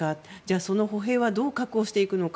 その歩兵はどう確保するのか。